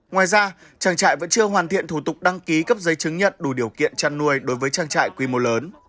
ngoài ra trang trại vẫn chưa hoàn thiện thủ tục đăng ký cấp giấy chứng nhận đủ điều kiện chăn nuôi đối với trang trại quy mô lớn